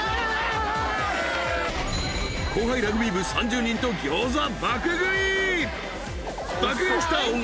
後輩ラグビー部３０人とギョーザ爆食い！